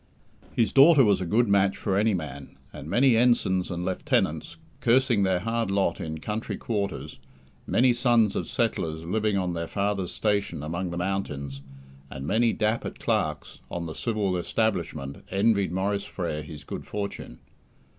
His daughter was a good match for any man; and many ensigns and lieutenants, cursing their hard lot in "country quarters", many sons of settlers living on their father's station among the mountains, and many dapper clerks on the civil establishment envied Maurice Frere his good fortune.